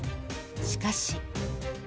しかし。